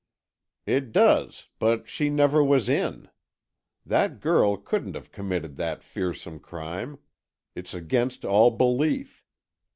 "It does, but she never was in. That girl couldn't have committed that fearsome crime. It's against all belief!